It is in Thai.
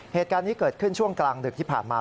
เหตุการณ์นี้เกิดขึ้นช่วงกลางดึกที่ผ่านมา